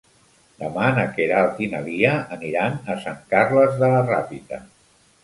Demà na Queralt i na Lia aniran a Sant Carles de la Ràpita.